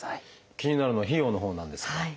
気になるのは費用のほうなんですが。